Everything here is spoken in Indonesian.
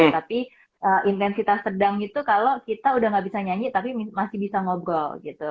tapi intensitas sedang itu kalau kita udah gak bisa nyanyi tapi masih bisa ngobrol gitu